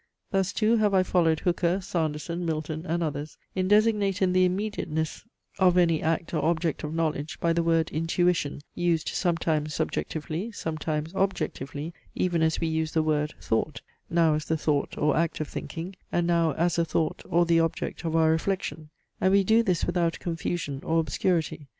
Thus too have I followed Hooker, Sanderson, Milton and others, in designating the immediateness of any act or object of knowledge by the word intuition, used sometimes subjectively, sometimes objectively, even as we use the word, thought; now as the thought, or act of thinking, and now as a thought, or the object of our reflection; and we do this without confusion or obscurity.